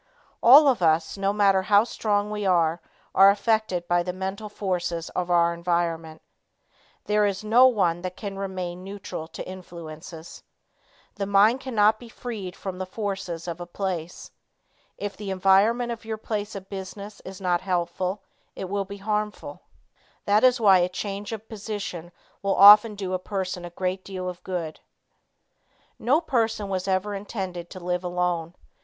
All of us no matter how strong we are, are affected by the mental forces of our environment. There is no one that can remain neutral to influences. The mind cannot be freed from the forces of a place. If the environment of your place of business is not helpful, it will be harmful. That is why a change of position will often do a person a great deal of good. No person was ever intended to live alone.